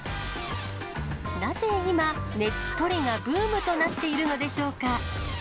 なぜ今、ねっとりがブームとなっているのでしょうか。